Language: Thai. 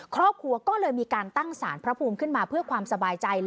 ครอบครัวก็เลยมีการตั้งสารพระภูมิขึ้นมาเพื่อความสบายใจ